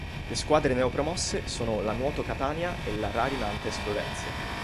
Le squadre neopromosse sono la Nuoto Catania e la Rari Nantes Florentia.